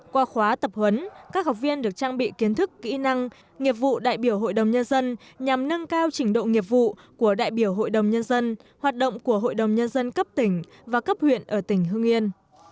qua khóa tập huấn các học viên được trang bị kiến thức kỹ năng nghiệp vụ đại biểu hội đồng nhân dân nhằm nâng cao trình độ nghiệp vụ của đại biểu hội đồng nhân dân hoạt động của hội đồng nhân dân cấp tỉnh và cấp huyện ở tỉnh hưng yên